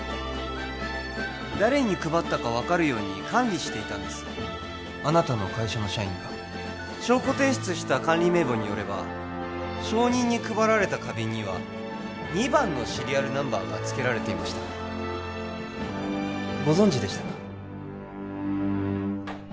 誰に配ったか分かるように管理していたんですあなたの会社の社員が証拠提出した管理名簿によれば証人に配られた花瓶には２番のシリアルナンバーがつけられていましたご存じでしたか？